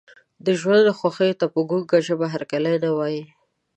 د ژوند خوښیو ته په ګونګه ژبه هرکلی نه وایي.